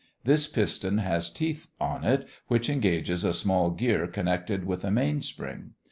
This piston has teeth on it which engage a small gear connected with a main spring.